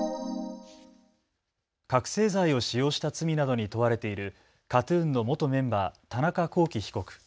覚醒剤を使用した罪などに問われているＫＡＴーＴＵＮの元メンバー、田中聖被告。